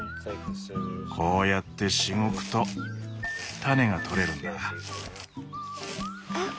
こうやってしごくと種がとれるんだ。